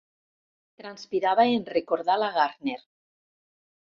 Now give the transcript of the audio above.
Transpirava en recordar la Gardner.